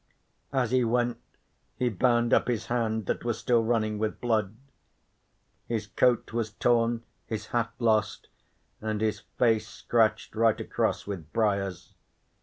As he went he bound up his hand that was still running with blood. His coat was torn, his hat lost, and his face scratched right across with briars.